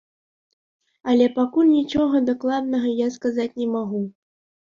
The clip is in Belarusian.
Але пакуль нічога дакладнага я сказаць не магу.